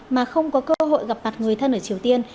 mà không có cơ hội gặp mặt người thân ở triều tiên